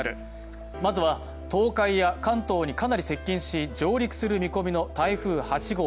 まずは東海や関東にかなり接近し上陸する見込みの台風８号。